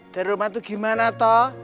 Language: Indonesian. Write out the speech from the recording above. dan roman tuh gimana toh